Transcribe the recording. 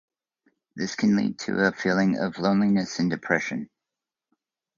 This can lead to feelings of loneliness and depression.